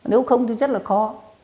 nếu không thì rất là khó